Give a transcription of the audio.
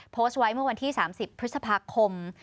โพสต์ไว้เมื่อวันที่๓๐พฤษภาคม